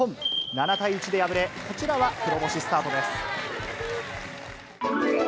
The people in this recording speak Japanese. ７対１で敗れ、こちらは黒星スタートです。